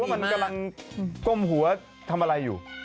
รู้ว่ามันก้มหัวทำอะไรอยู่